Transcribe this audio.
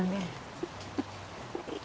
haji yang benar